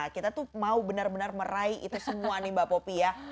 kita tuh mau benar benar meraih itu semua nih mbak popy ya